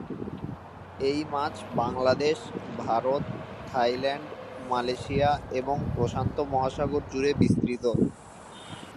এই মাছ Bangladesh, Bharat, Thailand, Malaysia এবং প্রশান্ত মহাসাগর জুড়ে বিস্তৃত।